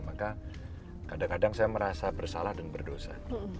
maka kadang kadang saya merasa bersalah dan berdosa